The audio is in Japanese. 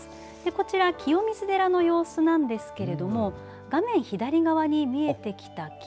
こちら清水寺の様子なんですけれども画面左側に見えてきた木。